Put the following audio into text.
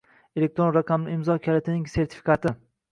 Elektron raqamli imzo kalitining sertifikati